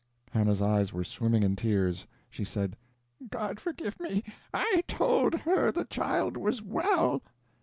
Hannah's eyes were swimming in tears. She said: "God forgive me, I told her the child was well!"